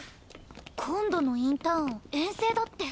今度のインターン遠征だって。